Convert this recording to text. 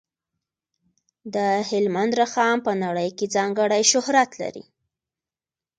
د هلمند رخام په نړۍ کې ځانګړی شهرت لري.